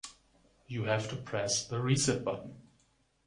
You have to press the reset button.